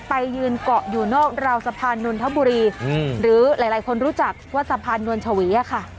ไปยืนเกาะอยู่นอกราวสะพานนนทบุรีหรือหลายคนรู้จักว่าสะพานนวลชวีค่ะ